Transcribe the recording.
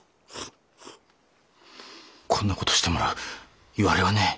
こんな事してもらういわれはねえ。